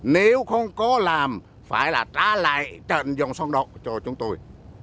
nếu không có làm phải là trả lại trận dòng sông đậu cho chúng tôi